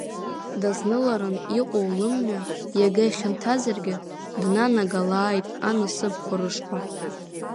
Дызныларан иҟоу лымҩа иага ихьанҭазаргьы днанагалааит анасыԥқәа рышҟа!